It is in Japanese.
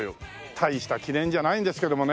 大した記念じゃないんですけどもね。